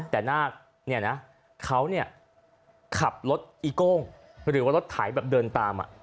แต่นาคเนี่ยนะเขาเนี่ยขับรถอีโก้งหรือว่ารถไถแบบเดินตาม